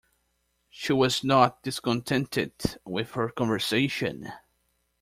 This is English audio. She was not discontented with her conversation.